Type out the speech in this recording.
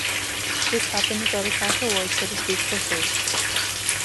This happened without a cash reward so to speak for free.